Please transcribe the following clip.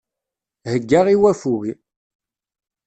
Heggaɣ i waffug.